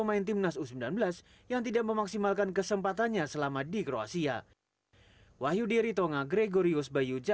kita akan memiliki kesempatan yang bagus